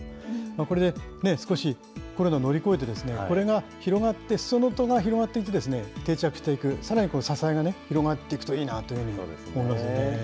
これで少しコロナを乗り越えて、これが広がって、すそ野が広がって定着していく、さらに支えがね、広がっていくといいなというふうに思いますよね。